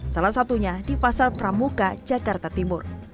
salah satunya di pasar pramuka jakarta timur